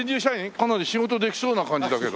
かなり仕事できそうな感じだけど。